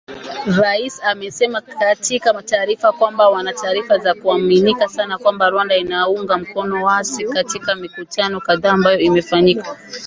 Rais amesema katika taarifa kwamba “wana taarifa za kuaminika sana kwamba Rwanda inaunga mkono waasi", katika mikutano kadhaa ambayo imefanyika